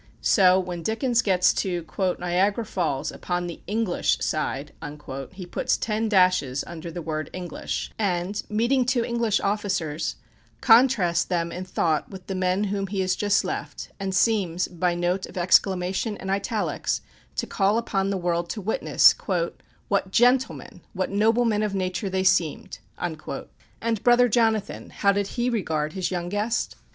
So when Dickens gets to "Niagara Falls, upon the English side," he puts ten dashes under the word English; and, meeting two English officers, contrasts them in thought with the men whom he has just left, and seems, by note of exclamation and italics, to call upon the world to witness, "what gentlemen, what noblemen of nature they seemed!" And Brother Jonathan, how did he regard his young guest?